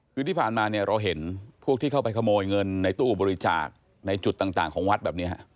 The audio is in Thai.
คือที่ผ่านมาเนี่ยเราเห็นพวกที่เข้าไปขโมยเงินในตู้บริจาคในจุดต่างของวัดแบบนี้ฮะ